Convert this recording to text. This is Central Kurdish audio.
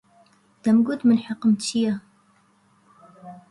دەمگوت: من حەقم چییە؟